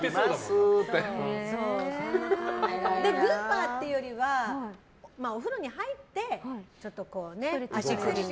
グーパーってよりはお風呂に入ってちょっと足首を。